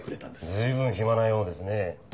随分暇なようですね。